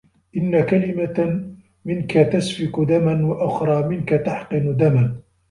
إنَّ كَلِمَةً مِنْك تَسْفِكُ دَمًا وَأُخْرَى مِنْك تَحْقِنُ دَمًا